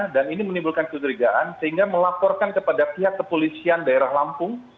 dan ini menimbulkan kecurigaan sehingga melaporkan kepada pihak kepolisian daerah lampung